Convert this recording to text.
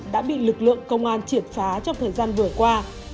đã bị lực lượng công an triệt phá trong thời gian vừa qua